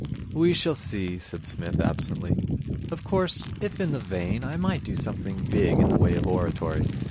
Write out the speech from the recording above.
'We shall see,' said Psmith absently. 'Of course, if in the vein, I might do something big in the way of oratory.